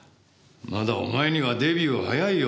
まだお前にはデビューは早いよ。